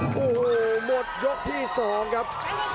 โอ้โหหมดยกที่๒ครับ